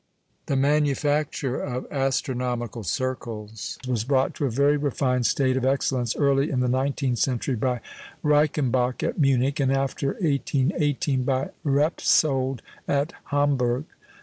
The manufacture of astronomical circles was brought to a very refined state of excellence early in the nineteenth century by Reichenbach at Munich, and after 1818 by Repsold at Hamburg.